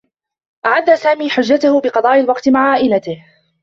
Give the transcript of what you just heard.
أعدّ سامي حجّته بقضاء الوقت مع عائلته.